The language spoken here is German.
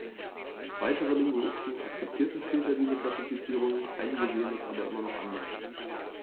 Weitere Linguisten akzeptierten später diese Klassifizierung, einige sehen es aber immer noch anders.